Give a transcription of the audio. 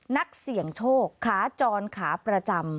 นักเสี่ยงโชคขาจรขาประจำ